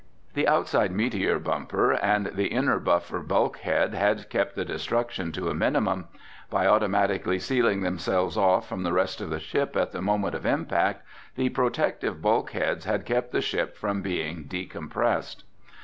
The outside meteor bumper and the inner buffer bulkheads had kept the destruction to a minimum. By automatically sealing themselves off from the rest of the ship at the moment of impact, the protective bulkheads had kept the ship from being decompressed.